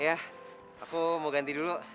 ya aku mau ganti dulu